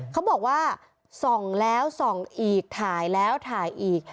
เขาบอกว่า๒แล้ว๒อีกถ่ายแล้วถ่ายอีก